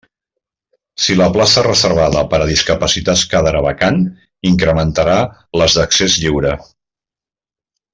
Si la plaça reservada per a discapacitats quedara vacant, incrementarà les d'accés lliure.